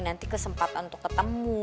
nanti kesempatan untuk ketemu